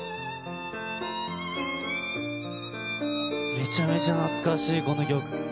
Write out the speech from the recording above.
めちゃめちゃ懐かしい、この曲。